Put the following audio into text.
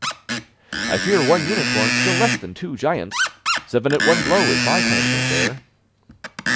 'I fear one unicorn still less than two giants. Seven at one blow, is my kind of affair.